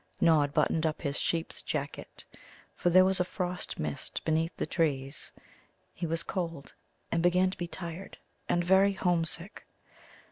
Nod buttoned up his sheep's jacket, for there was a frost mist beneath the trees. He was cold, and began to be tired and very homesick.